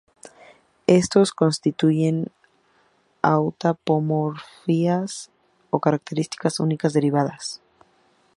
Estos constituyen autapomorfias, o características únicas derivadas.